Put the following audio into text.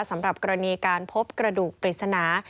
สำหรับกรณีการพบกระดูกปริศนา